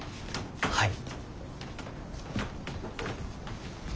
はい。